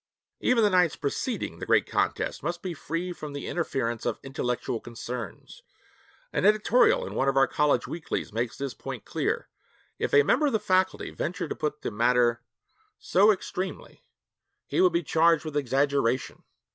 Even the nights preceding the great contests must be free from the interference of intellectual concerns. An editorial in one of our college weeklies makes this point clear. If a member of the faculty ventured to put the matter so extremely, he would be charged with exaggeration.